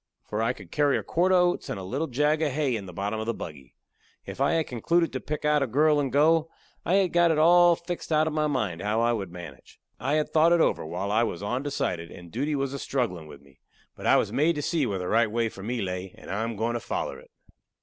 For I could carry a quart of oats and a little jag of hay in the bottom of the buggy. If I had concluded to pick out a girl and go, I had got it all fixed out in my mind how I would manage. I had thought it over, while I was ondecided and duty was a strugglin' with me. But I was made to see where the right way for me lay, and I am goin' to foller it.